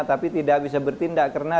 tapi tidak bisa bertindak karena